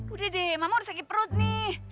udah deh mama harus sakit perut nih